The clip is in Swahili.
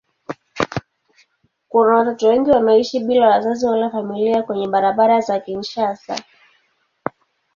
Kuna watoto wengi wanaoishi bila wazazi wala familia kwenye barabara za Kinshasa.